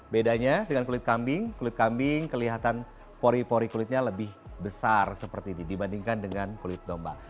bedanya dengan kulit kambing kulit kambing kelihatan pori pori kulitnya lebih besar seperti ini dibandingkan dengan kulit domba